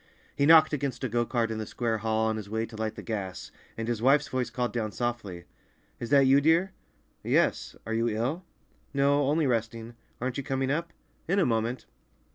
He knocked against a go cart in the square hall on his way to light the gas, and his wife's voice called down softly, "Is that you, dear?" "Yes. Are you ill?" "No, only resting. Aren't you coming up?" "In a moment."